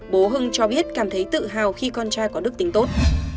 bố hưng cho biết cảm thấy tự hào khi con trai có đức tính tốt